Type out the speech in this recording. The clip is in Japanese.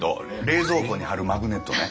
冷蔵庫に貼るマグネットね。